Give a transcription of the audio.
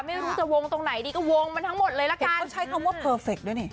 ไม่รู้จะวงตรงไหนดีก็วงมันทั้งหมดเลยละกันต้องใช้คำว่าเพอร์เฟคด้วยนี่